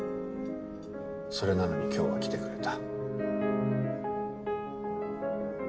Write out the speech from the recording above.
それなのに今日は来てくれた。